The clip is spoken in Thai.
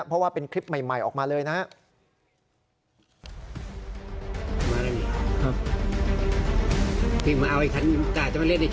เพราะว่าเป็นคลิปใหม่ออกมาเลยนะครับ